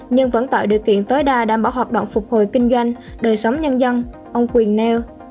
nhưng vẫn tạo điều kiện tối đa đảm bảo hoạt động phục hồi kinh doanh đời sống nhân dân ông quyền nêu